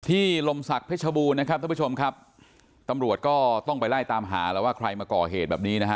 ลมศักดิ์เพชรบูรณ์นะครับท่านผู้ชมครับตำรวจก็ต้องไปไล่ตามหาแล้วว่าใครมาก่อเหตุแบบนี้นะฮะ